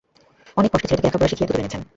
অনেক কষ্টে ছেলেটাকে লেখাপড়া শিখিয়ে এতদূর এনেছেন।